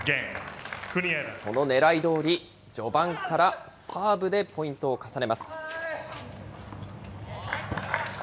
その狙いどおり、序盤からサーブでポイントを重ねます。